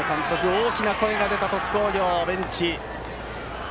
大きな声が出た鳥栖工業のベンチ。